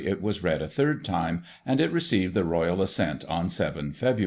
it was read a third time, and it received the Royal Assent on 7 Feb.